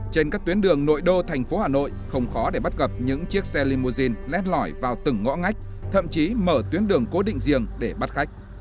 trên các tuyến đường nội đô tp hcm không khó để bắt gặp những chiếc xe limousine lét lỏi vào từng ngõ ngách thậm chí mở tuyến đường cố định riêng để bắt khách